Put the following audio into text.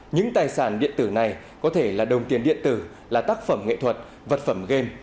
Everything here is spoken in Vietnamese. những tài sản điện tử này có thể là đồng tiền điện tử là tác phẩm nghệ thuật vật phẩm game